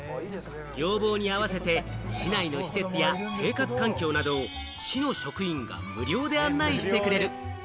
要望に合わせて市内の施設や生活環境などを市の職員が無料で案内してくれる。